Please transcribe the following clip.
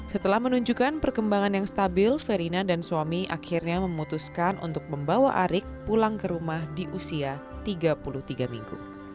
setelah menunjukkan perkembangan yang stabil verina dan suami akhirnya memutuskan untuk membawa arik pulang ke rumah di usia tiga puluh tiga minggu